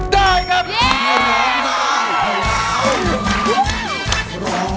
คุณเมฆร้อง